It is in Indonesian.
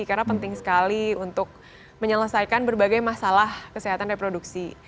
karena penting sekali untuk menyelesaikan berbagai masalah kesehatan reproduksi